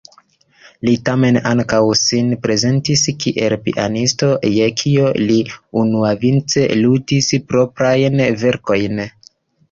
Li tamen ankaŭ sin prezentis kiel pianisto, je kio li unuavice ludis proprajn verkojn.